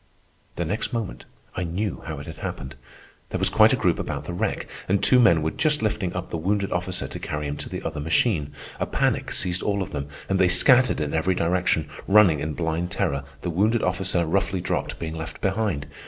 The next moment I knew how it had happened. There was quite a group about the wreck, and two men were just lifting up the wounded officer to carry him to the other machine. A panic seized all of them, and they scattered in every direction, running in blind terror, the wounded officer, roughly dropped, being left behind.